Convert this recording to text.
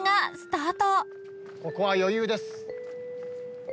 ここは余裕です。